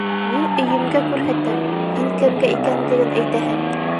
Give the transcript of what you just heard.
Мин өйөмгә күрһәтәм, һин кемгә икәнлеген әйтәһең!